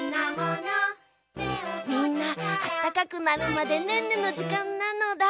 みんなあったかくなるまでねんねのじかんなのだ。